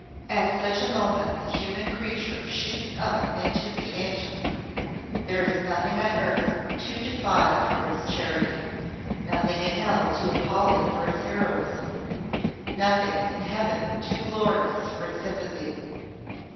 At such a moment the human creature shoots up into the angel: there is nothing on earth too defiled for its charity nothing in hell too appalling for its heroism nothing in heaven too glorious for its sympathy.